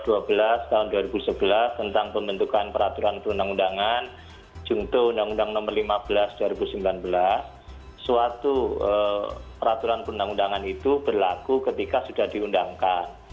nomor dua belas tahun dua ribu sebelas tentang pembentukan peraturan perundang undangan jungto undang undang nomor lima belas dua ribu sembilan belas suatu peraturan perundang undangan itu berlaku ketika sudah diundangkan